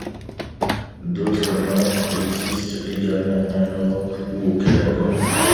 D'autres normes existent également, en Europe ou au Canada.